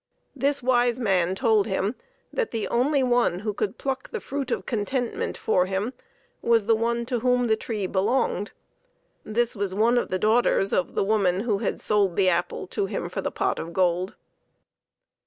This wise man told him that the only one who could pluck the fruit of contentment for him was the one to whom the tree belonged. This was one of the daughters of the woman who had sold the apple to him for the pot of gold.